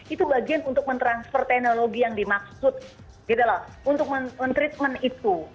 itu bagian untuk mentransfer teknologi yang dimaksud gitu loh untuk men treatment itu